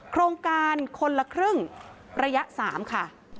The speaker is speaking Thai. โครงการคนละครึ่งระยะ๓ค่ะ